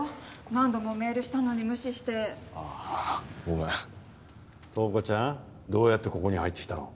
何度もメールしたのに無視してああごめん東子ちゃんどうやってここに入ってきたの？